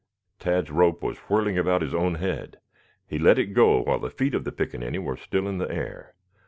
Tad's rope was whirling about his own head. He let it go while the feet of the pickaninny were still in the air.